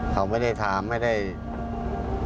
เขาไม่ได้ถามไม่ได้แบบนี้